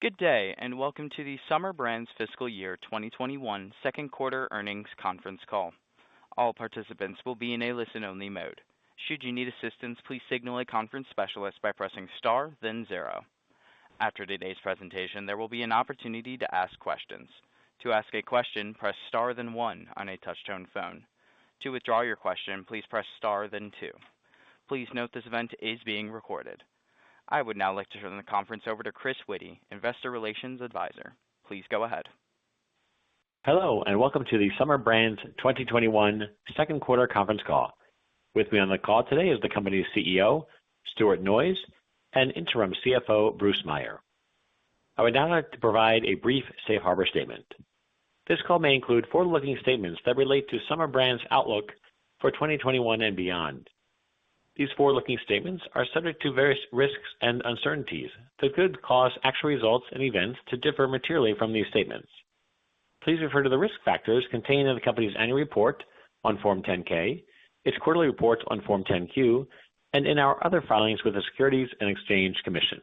Good day, and welcome to the SUMR Brands Fiscal Year 2021 Second Quarter Earnings Conference Call. All participants will be in a listen-only mode. Should you need assistance, please signal a conference specialist by pressing star then zero. After today's presentation, there will be an opportunity to ask questions. To ask a question, press star than one on a touch-tone phone. To withdraw your question, please press star than two. Please note this event is being recorded. I would now like to turn the conference over to Chris Witty, Investor Relations Advisor. Please go ahead. Hello, and welcome to the SUMR Brands 2021 Second Quarter Conference Call. With me on the call today is the company's CEO, Stuart Noyes, and interim CFO, Bruce Meier. I would now like to provide a brief safe harbor statement. This call may include forward-looking statements that relate to SUMR Brands outlook for 2021 and beyond. These forward-looking statements are subject to various risks and uncertainties that could cause actual results and events to differ materially from these statements. Please refer to the risk factors contained in the company's annual report on Form 10-K, its quarterly reports on Form 10-Q, and in our other filings with the Securities and Exchange Commission.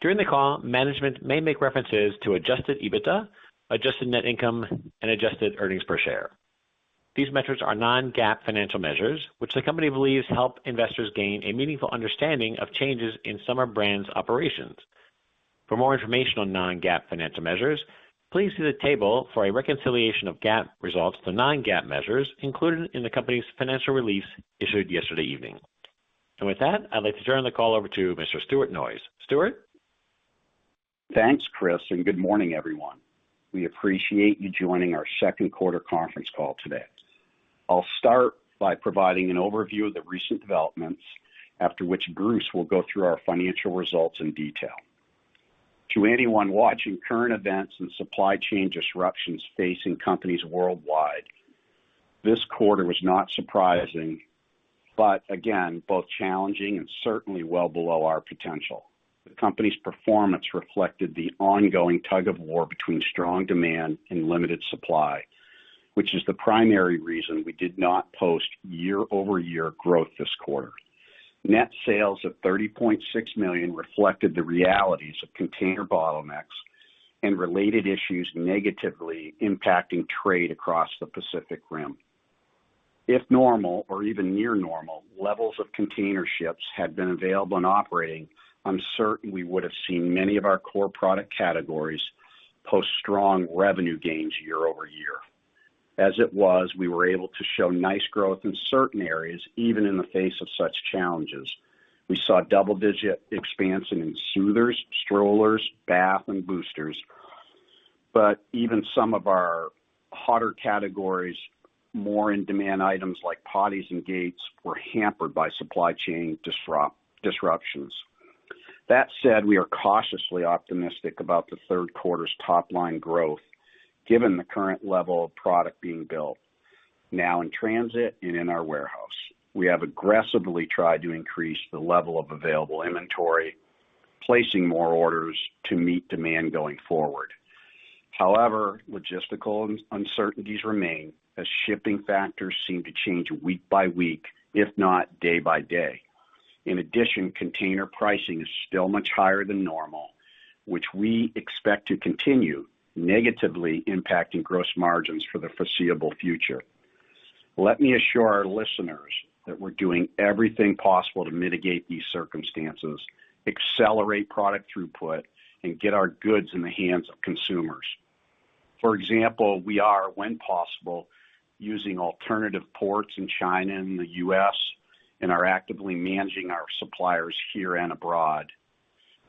During the call, management may make references to adjusted EBITDA, adjusted net income, and adjusted earnings per share. These metrics are non-GAAP financial measures, which the company believes help investors gain a meaningful understanding of changes in SUMR Brands operations. For more information on non-GAAP financial measures, please see the table for a reconciliation of GAAP results to non-GAAP measures included in the company's financial release issued yesterday evening. With that, I'd like to turn the call over to Mr. Stuart Noyes. Stuart? Thanks, Chris, and good morning, everyone. We appreciate you joining our second quarter conference call today. I'll start by providing an overview of the recent developments, after which Bruce will go through our financial results in detail. To anyone watching current events and supply chain disruptions facing companies worldwide, this quarter was not surprising, but again, both challenging and certainly well below our potential. The company's performance reflected the ongoing tug-of-war between strong demand and limited supply, which is the primary reason we did not post year-over-year growth this quarter. Net sales of $30.6 million reflected the realities of container bottlenecks and related issues negatively impacting trade across the Pacific Rim. If normal or even near normal levels of container ships had been available and operating, I'm certain we would have seen many of our core product categories post strong revenue gains year-over-year. As it was, we were able to show nice growth in certain areas, even in the face of such challenges. We saw double-digit expansion in soothers, strollers, bath, and boosters. Even some of our hotter categories, more in-demand items like potties and gates, were hampered by supply chain disruptions. That said, we are cautiously optimistic about the third quarter's top-line growth given the current level of product being built now in transit and in our warehouse. We have aggressively tried to increase the level of available inventory, placing more orders to meet demand going forward. Logistical uncertainties remain as shipping factors seem to change week by week, if not day by day. In addition, container pricing is still much higher than normal, which we expect to continue negatively impacting gross margins for the foreseeable future. Let me assure our listeners that we're doing everything possible to mitigate these circumstances, accelerate product throughput, and get our goods in the hands of consumers. For example, we are, when possible, using alternative ports in China and the U.S. and are actively managing our suppliers here and abroad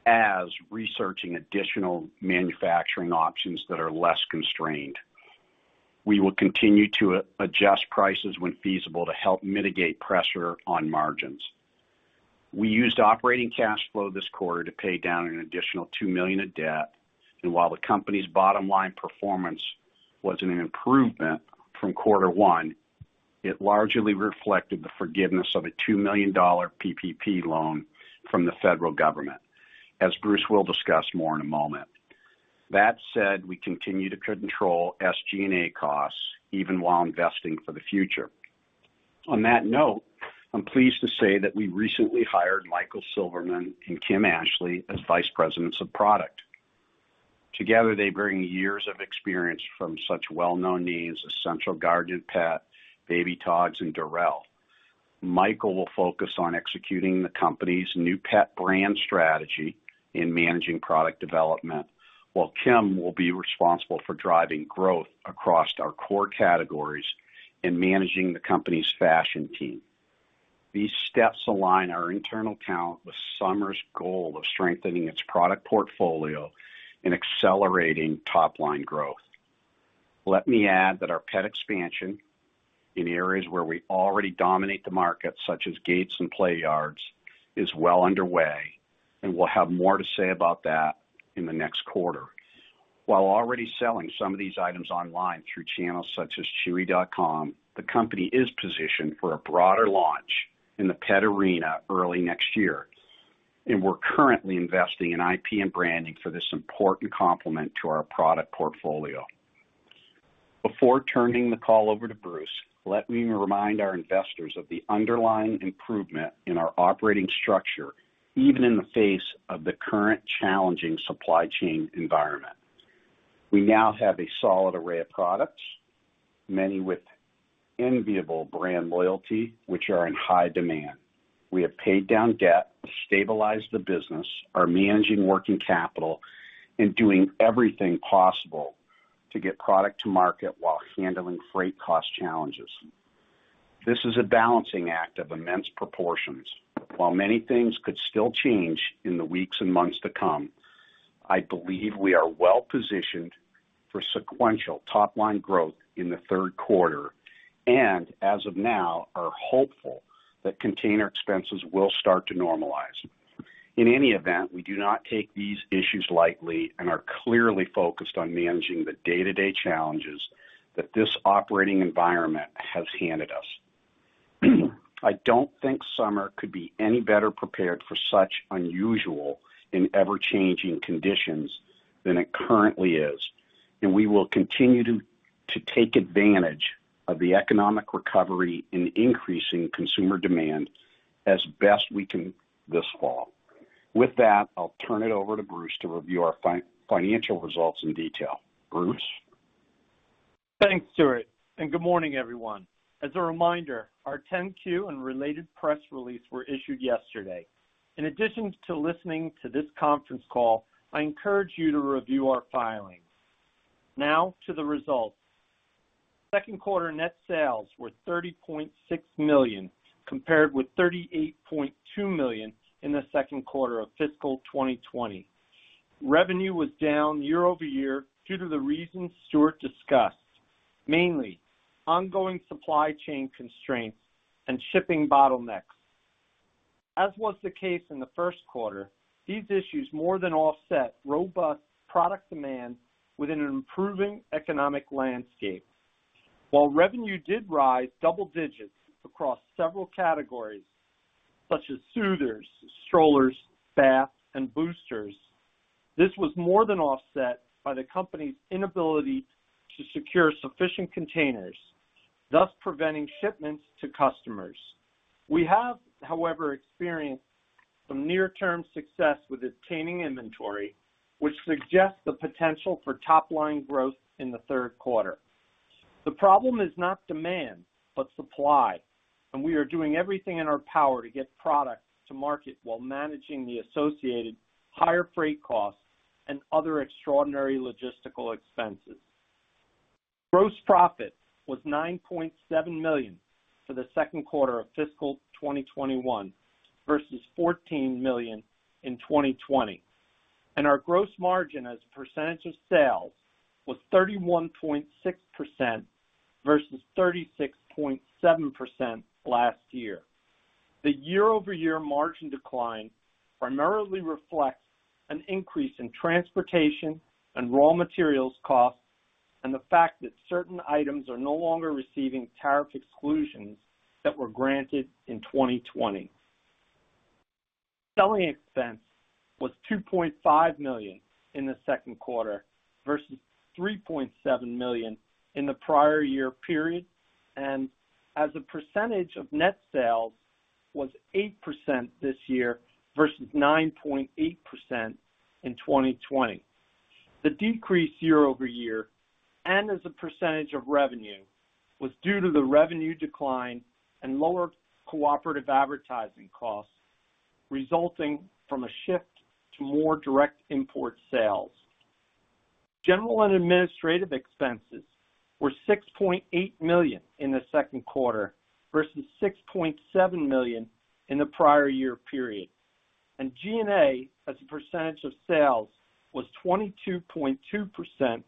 as researching additional manufacturing options that are less constrained. We will continue to adjust prices when feasible to help mitigate pressure on margins. We used operating cash flow this quarter to pay down an additional $2 million of debt, and while the company's bottom-line performance wasn't an improvement from quarter one, it largely reflected the forgiveness of a $2 million PPP loan from the federal government, as Bruce will discuss more in a moment. That said, we continue to control SG&A costs even while investing for the future. On that note, I'm pleased to say that we recently hired Michael Silverman and Kim Ashley as Vice Presidents of Product. Together, they bring years of experience from such well-known names as Central Garden & Pet, Baby Togs, and Dorel. Michael will focus on executing the company's new pet brand strategy in managing product development, while Kim will be responsible for driving growth across our core categories and managing the company's fashion team. These steps align our internal talent with Summer's goal of strengthening its product portfolio and accelerating top-line growth. Let me add that our pet expansion in areas where we already dominate the market, such as gates and play yards, is well underway, and we'll have more to say about that in the next quarter. While already selling some of these items online through channels such as Chewy.com, the company is positioned for a broader launch in the pet arena early next year, and we're currently investing in IP and branding for this important complement to our product portfolio. Before turning the call over to Bruce, let me remind our investors of the underlying improvement in our operating structure, even in the face of the current challenging supply chain environment. We now have a solid array of products, many with enviable brand loyalty, which are in high demand. We have paid down debt, stabilized the business, are managing working capital, and doing everything possible to get product to market while handling freight cost challenges. This is a balancing act of immense proportions. While many things could still change in the weeks and months to come, I believe we are well-positioned for sequential top-line growth in the third quarter, and as of now, are hopeful that container expenses will start to normalize. In any event, we do not take these issues lightly and are clearly focused on managing the day-to-day challenges that this operating environment has handed us. I don't think Summer could be any better prepared for such unusual and ever-changing conditions than it currently is, and we will continue to take advantage of the economic recovery and increasing consumer demand as best we can this fall. With that, I'll turn it over to Bruce to review our financial results in detail. Bruce? Thanks, Stuart, and good morning, everyone. As a reminder, our 10-Q and related press release were issued yesterday. In addition to listening to this conference call, I encourage you to review our filings. Now to the results. Second quarter net sales were $30.6 million, compared with $38.2 million in the second quarter of fiscal 2020. Revenue was down year-over-year due to the reasons Stuart discussed, mainly ongoing supply chain constraints and shipping bottlenecks. As was the case in the first quarter, these issues more than offset robust product demand within an improving economic landscape. While revenue did rise double digits across several categories such as soothers, strollers, baths, and boosters, this was more than offset by the company's inability to secure sufficient containers, thus preventing shipments to customers. We have, however, experienced some near-term success with obtaining inventory, which suggests the potential for top-line growth in the third quarter. The problem is not demand, but supply, and we are doing everything in our power to get product to market while managing the associated higher freight costs and other extraordinary logistical expenses. Gross profit was $9.7 million for the second quarter of fiscal 2021 versus $14 million in 2020, and our gross margin as a percentage of sales was 31.6% versus 36.7% last year. The year-over-year margin decline primarily reflects an increase in transportation and raw materials costs and the fact that certain items are no longer receiving tariff exclusions that were granted in 2020. Selling expense was $2.5 million in the second quarter versus $3.7 million in the prior year period, and as a percentage of net sales, was 8% this year versus 9.8% in 2020. The decrease year-over-year, and as a percentage of revenue, was due to the revenue decline and lower cooperative advertising costs resulting from a shift to more direct import sales. General and administrative expenses were $6.8 million in the second quarter versus $6.7 million in the prior year period, and G&A as a percentage of sales was 22.2%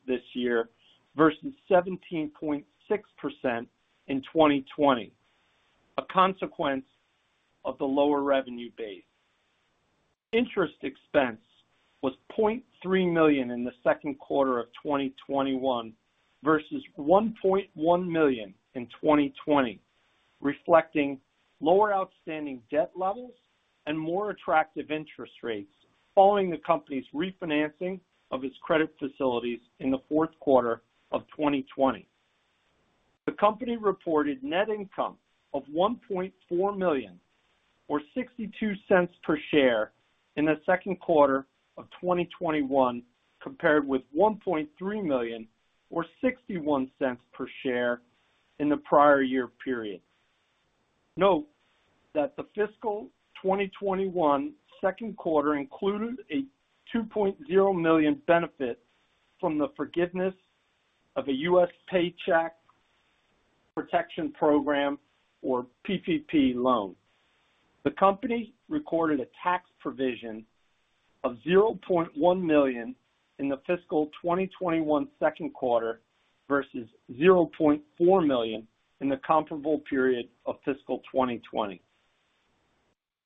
this year versus 17.6% in 2020, a consequence of the lower revenue base. Interest expense was $0.3 million in the second quarter of 2021 versus $1.1 million in 2020, reflecting lower outstanding debt levels and more attractive interest rates following the company's refinancing of its credit facilities in the fourth quarter of 2020. The company reported net income of $1.4 million, or $0.62 per share in the second quarter of 2021, compared with $1.3 million or $0.61 per share in the prior year period. Note that the fiscal 2021 second quarter included a $2.0 million benefit from the forgiveness of a U.S. Paycheck Protection Program, or PPP, loan. The company recorded a tax provision of $0.1 million in the fiscal 2021 second quarter versus $0.4 million in the comparable period of fiscal 2020.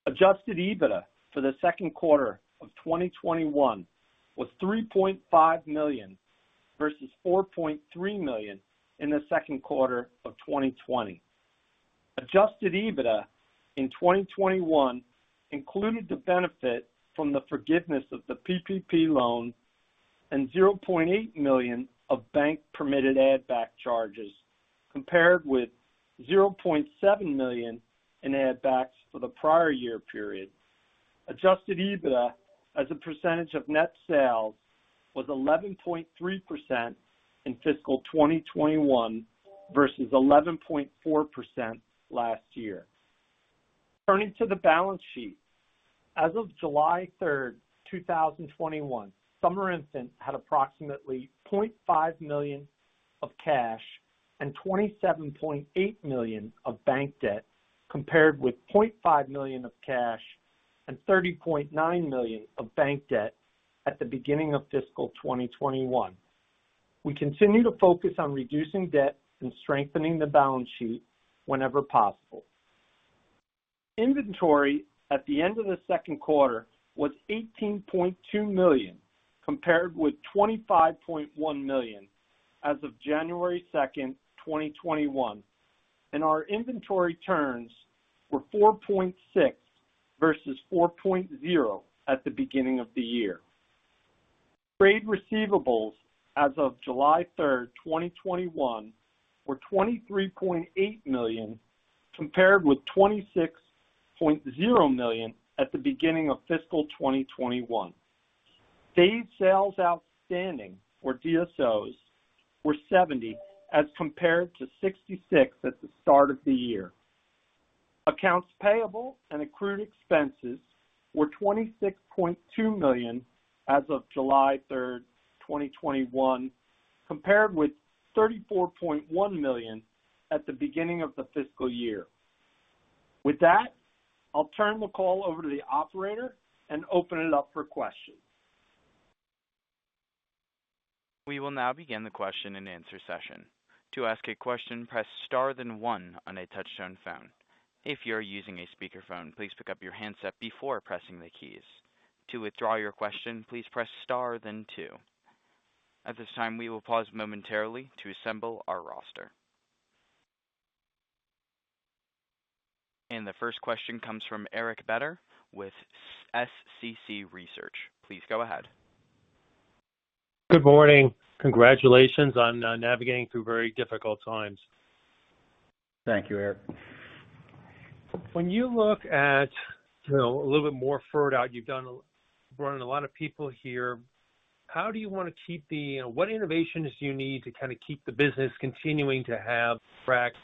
Adjusted EBITDA for the second quarter of 2021 was $3.5 million versus $4.3 million in the second quarter of 2020. Adjusted EBITDA in 2021 included the benefit from the forgiveness of the PPP loan and $0.8 million of bank permitted add back charges, compared with $0.7 million in add backs for the prior year period. Adjusted EBITDA as a percentage of net sales was 11.3% in fiscal 2021 versus 11.4% last year. Turning to the balance sheet. As of July 3rd, 2021, Summer Infant had approximately $0.5 million of cash and $27.8 million of bank debt, compared with $0.5 million of cash and $30.9 million of bank debt at the beginning of fiscal 2021. We continue to focus on reducing debt and strengthening the balance sheet whenever possible. Inventory at the end of the second quarter was $18.2 million, compared with $25.1 million as of January 2nd, 2021, and our inventory turns were 4.6 versus 4.0 at the beginning of the year. Trade receivables as of July 3rd, 2021, were $23.8 million, compared with $26.0 million at the beginning of fiscal 2021. Days sales outstanding, or DSOs, were 70 as compared to 66 at the start of the year. Accounts payable and accrued expenses were $26.2 million as of July 3rd, 2021, compared with $34.1 million at the beginning of the fiscal year. With that, I'll turn the call over to the operator and open it up for questions. We will now begin the question and answer session. To ask a question, press star then one on a touch-tone phone. If you are using a speakerphone, please pick up your handset before pressing the keys. To withdraw your question, please press star then two. At this time, we will pause momentarily to assemble our roster. The first question comes from Eric Beder with SCC Research. Please go ahead. Good morning. Congratulations on navigating through very difficult times. Thank you, Eric. When you look at a little bit more further out, you've brought in a lot of people here. What innovations do you need to kind of keep the business continuing to have traction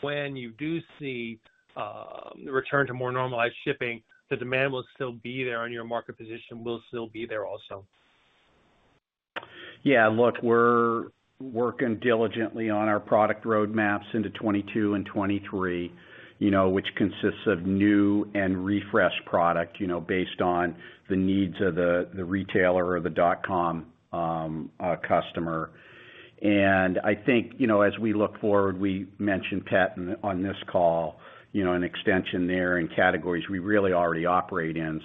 when you do see return to more normalized shipping, the demand will still be there and your market position will still be there also? Look, we're working diligently on our product roadmaps into 2022 and 2023, which consists of new and refreshed product, based on the needs of the retailer or the dot-com customer. I think, as we look forward, we mentioned pet on this call, an extension there in categories we really already operate in.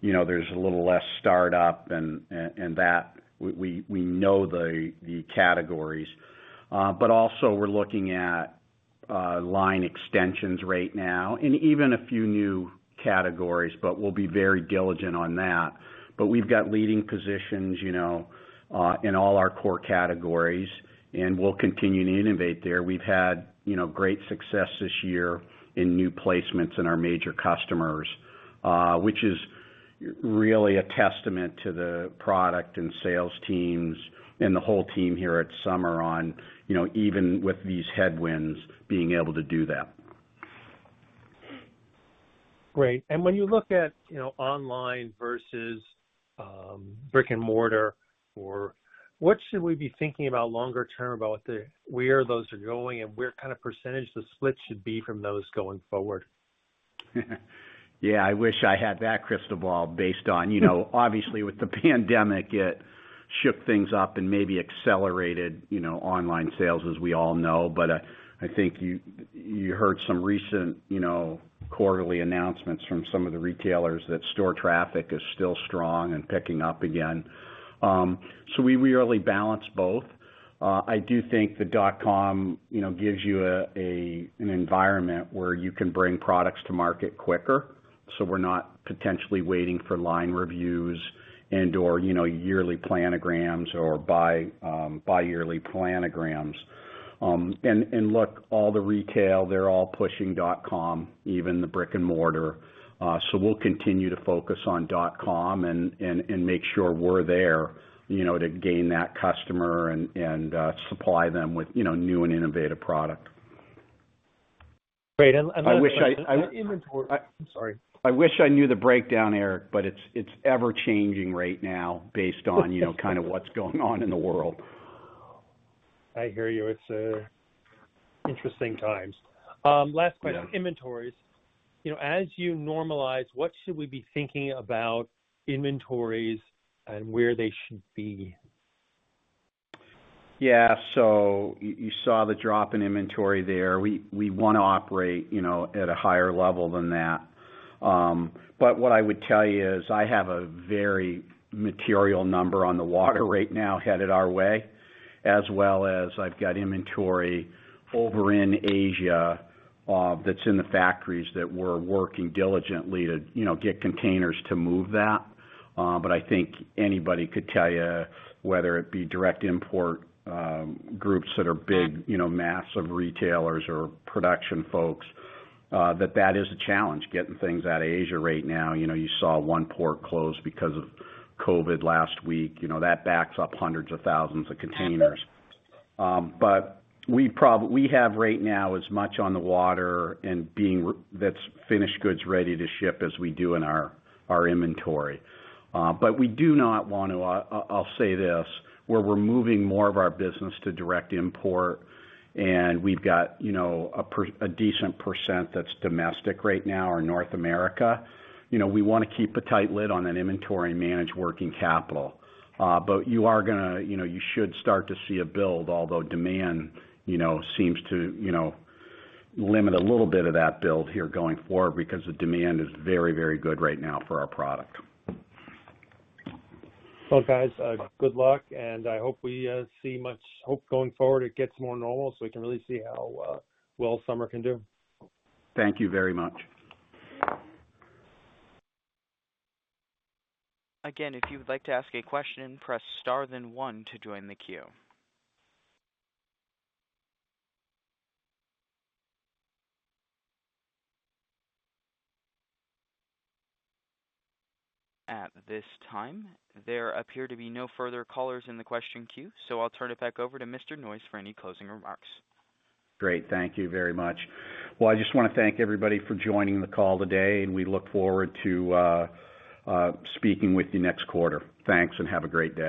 There's a little less startup and that we know the categories. Also we're looking at line extensions right now and even a few new categories, we'll be very diligent on that. We've got leading positions in all our core categories, and we'll continue to innovate there. We've had great success this year in new placements in our major customers, which is really a testament to the product and sales teams and the whole team here at SUMR on, even with these headwinds, being able to do that. Great. When you look at online versus brick and mortar. What should we be thinking about longer term about where those are going and where kind of percent the split should be from those going forward? Yeah, I wish I had that crystal ball based on. Obviously, with the pandemic, it shook things up and maybe accelerated online sales, as we all know. I think you heard some recent quarterly announcements from some of the retailers that store traffic is still strong and picking up again. We really balance both. I do think the dot-com gives you an environment where you can bring products to market quicker. We're not potentially waiting for line reviews and/or yearly planograms or bi-yearly planograms. Look, all the retail, they're all pushing dot-com, even the brick and mortar. We'll continue to focus on dot-com and make sure we're there to gain that customer and supply them with new and innovative product. Great. Another question? I wish I- inventory. I'm sorry. I wish I knew the breakdown, Eric, but it's ever-changing right now based on kind of what's going on in the world. I hear you. It's interesting times. Last question. Inventories. As you normalize, what should we be thinking about inventories and where they should be? Yeah. You saw the drop in inventory there. We want to operate at a higher level than that. What I would tell you is I have a very material number on the water right now headed our way, as well as I've got inventory over in Asia that's in the factories that we're working diligently to get containers to move that. I think anybody could tell you, whether it be direct import groups that are big mass of retailers or production folks, that is a challenge getting things out of Asia right now. You saw one port close because of COVID last week. That backs up hundreds of thousands of containers. We have right now as much on the water that's finished goods ready to ship as we do in our inventory. I'll say this, where we're moving more of our business to direct import, and we've got a decent percent that's domestic right now or North America. We want to keep a tight lid on that inventory and manage working capital. You should start to see a build, although demand seems to limit a little bit of that build here going forward because the demand is very, very good right now for our product. Well, guys, good luck, and I hope we see much hope going forward. It gets more normal so we can really see how well SUMR can do. Thank you very much. Again, if you would like to ask a question, press star then one to join the queue. At this time, there appear to be no further callers in the question queue, so I'll turn it back over to Mr. Noyes for any closing remarks. Great. Thank you very much. Well, I just want to thank everybody for joining the call today, and we look forward to speaking with you next quarter. Thanks, and have a great day.